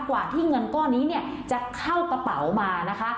กว่าที่เงินก้อนนี้เนี่ยจะเข้ากระเป๋ามานะคะ